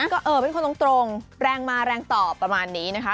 ก็เออเป็นคนตรงแรงมาแรงต่อประมาณนี้นะคะ